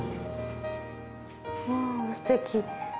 わぁすてき。